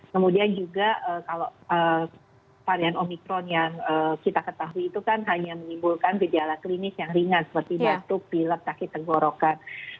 kemudian juga kalau varian omikron yang kita ketahui itu kan hanya menimbulkan gejala klinis yang ringan seperti batuk pilek sakit tenggorokan